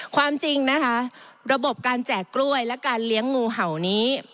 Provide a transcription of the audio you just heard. ความจริงนะคะระบบการแจกกล้วยและการเลี้ยงงูเห่านี้